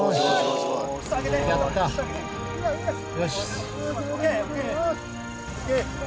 よし！